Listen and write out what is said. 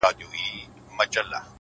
يوولس مياشتې يې پوره ماته ژړله!